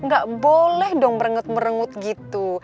gak boleh dong merengut merengut gitu